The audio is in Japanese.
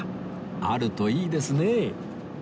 あるといいですねえ